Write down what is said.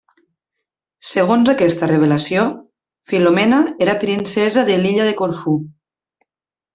Segons aquesta revelació, Filomena era princesa de l'illa de Corfú.